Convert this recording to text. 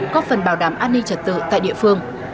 có phần bảo đảm an ninh trật tự tại địa phương